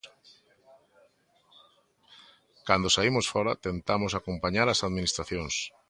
Cando saímos fóra tentamos acompañar as administracións.